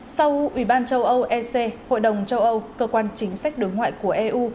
sau uban châu âu ec hội đồng châu âu cơ quan chính sách đối ngoại của eu